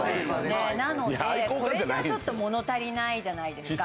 なのでこれじゃちょっと物足りないじゃないですか。